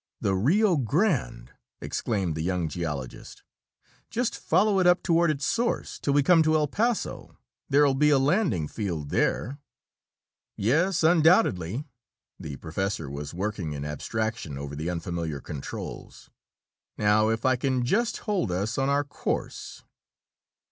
"The Rio Grande!" exclaimed the young geologist. "Just follow it up toward its source till we come to El Paso. There'll be a landing field there." "Yes, undoubtedly." The professor was working in abstraction over the unfamiliar controls. "Now if I can just hold us on our course...."